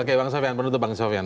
oke bang sofyan penutup bang sofyan